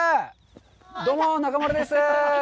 どうも、中丸です。